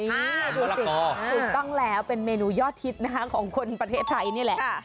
นี่ดูสิถูกต้องแล้วเป็นเมนูยอดฮิตนะคะของคนประเทศไทยนี่แหละ